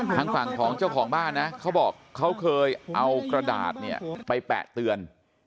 ทางฝั่งของเจ้าของบ้านนะเขาบอกเขาเคยเอากระดาษเนี่ยไปแปะเตือน